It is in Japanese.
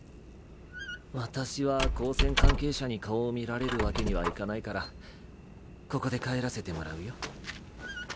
私は高専関係者に顔を見られるわけにはいかないからここで帰らせてもらうよ。